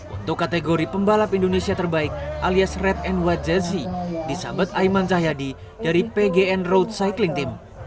untuk kategori pembalap indonesia terbaik alias red and white jersey disahabat ayman zahyadi dari pgn road cycling team